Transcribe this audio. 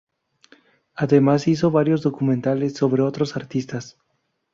Además hizo varios documentales sobre otros artistas.